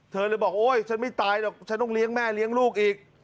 เธอเลยบอกโอ๊ยฉันไม่ตายหรอกฉันต้องเลี้ยงแม่เลี้ยงลูกอีก